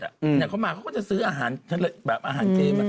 เมื่อก่อนมาเขาก็จะซื้ออาหารเช้ากิน